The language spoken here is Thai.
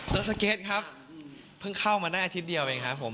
สเก็ตครับเพิ่งเข้ามาได้อาทิตย์เดียวเองครับผม